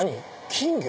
金魚？